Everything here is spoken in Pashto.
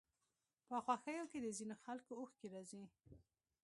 په خوښيو کې د ځينو خلکو اوښکې راځي.